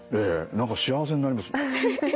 何か幸せになります。